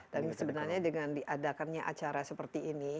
sebenarnya dengan diadakannya acara seperti ini